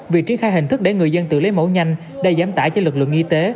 việc triển khai hình thức để người dân tự lấy mẫu nhanh đã giảm tải cho lực lượng y tế